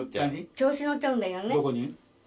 調子に乗っちゃうんだよね。